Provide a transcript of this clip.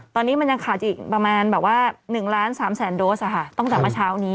ตอนนี้มันยังขาดอีกประมาณแบบว่า๑ล้าน๓แสนโดสตั้งแต่เมื่อเช้านี้